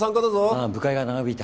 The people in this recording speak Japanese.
ああ部会が長引いた。